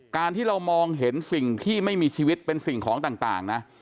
การที่เรามองเห็นสิ่งที่ไม่มีชีวิตเป็นสิ่งของต่างนะ